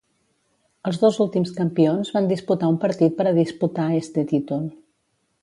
Els dos últims campions van disputar un partit per a disputar este títol.